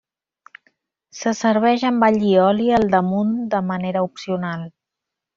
Se serveix amb allioli al damunt de manera opcional.